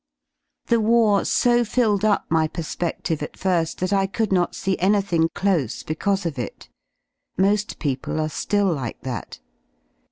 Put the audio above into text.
The war so filled up my perspedive at fir^ that I could not see anything close because of it: mosl people are ^ilPn like that.